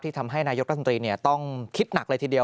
ที่ทำให้นายกฏศนตรีเนี่ยต้องคิดหนักเลยทีเดียว